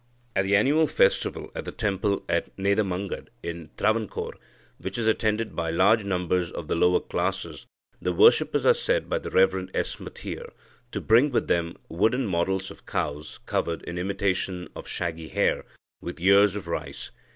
At the annual festival at the temple at Nedamangad in Travancore, which is attended by large numbers of the lower classes, the worshippers are said by the Rev. S. Mateer to "bring with them wooden models of cows covered, in imitation of shaggy hair, with ears of rice.